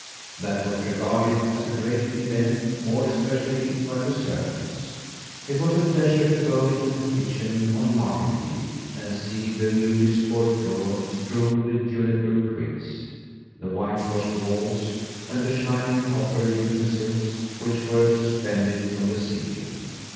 That was regarded as a great event more especially by the servants. It was a pleasure to go into the kitchen on Market Eve and see the newly scoured floor strewn with juniper twigs, the whitewashed walls and the shining copper utensils which were suspended from the ceiling.